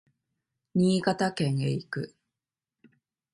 新潟県へ行く